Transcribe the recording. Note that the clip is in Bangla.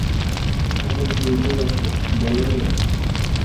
কেন, কী হইয়াছে, বলোই না।